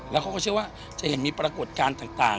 แล้วเขาก็เชื่อว่าจะเห็นมีปรากฏการณ์ต่าง